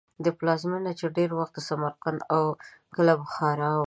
پلازمینه یې ډېر وخت سمرقند او کله بخارا وه.